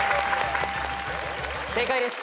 正解です。